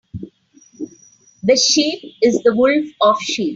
The sheep is the wolf of sheep.